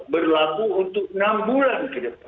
berlaku untuk enam bulan